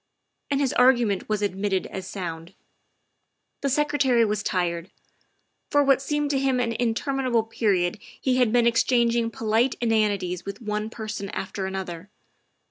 And his argument was admitted as sound. The Secretary was tired. For what seemed to him an interminable period he had been exchanging polite in anities with one person after another.